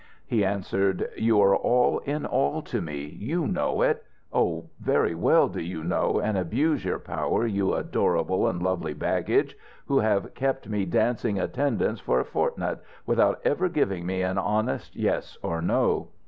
He answered: "You are all in all to me. You know it. Oh, very well do you know and abuse your power, you adorable and lovely baggage, who have kept me dancing attendance for a fortnight, without ever giving me an honest yes or no."